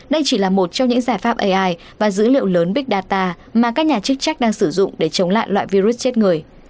đây chỉ là một trong những giải pháp ai và dữ liệu lớn big data mà các nhà chức trách đang sử dụng để chống lại loại virus chết người